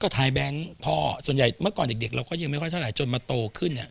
ท้ายแบงค์พ่อส่วนใหญ่เมื่อก่อนเด็กเราก็ยังไม่ค่อยเท่าไหจนมาโตขึ้น